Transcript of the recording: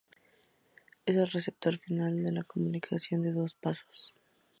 Es el receptor final de la comunicación de dos pasos.